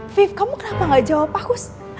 five kamu kenapa gak jawab aku